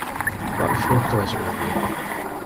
Qual fructo es rubie?